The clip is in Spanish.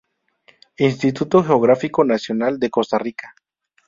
Instituto Geográfico Nacional de Costa Rica.